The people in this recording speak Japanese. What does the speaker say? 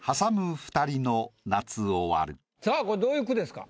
これどういう句ですか？